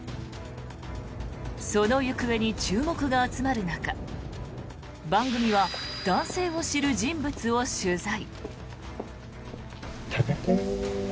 その行方に注目が集まる中番組は男性を知る人物を取材。